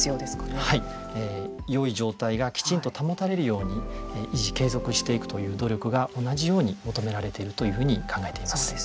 よい状態がきちんと保たれるように維持・継続していくという努力が同じように求められているというふうに考えています。